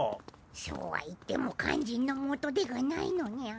そうは言っても肝心の元手がないのニャ。